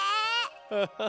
フフフ。